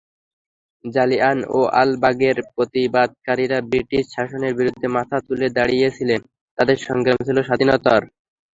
জালিয়ানওয়ালাবাগের প্রতিবাদকারীরা ব্রিটিশ শাসনের বিরুদ্ধে মাথা তুলে দাঁড়িয়েছিলেন, তাঁদের সংগ্রাম ছিল স্বাধীনতার।